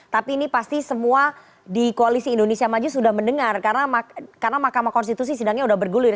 tapi ini pasti semua di koalisi indonesia maju sudah mendengar karena mahkamah konstitusi sidangnya sudah bergulir